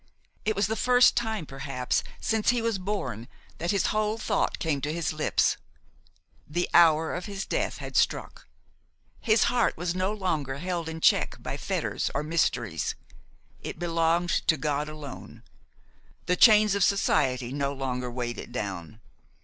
It was the first time perhaps since he was born that his whole thought came to his lips. The hour of his death had struck; his heart was no longer held in check by fetters or mysteries; it belonged to God alone; the chains of society no longer weighed it down.